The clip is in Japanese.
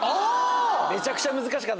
（めちゃくちゃ難しかった。